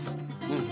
うん。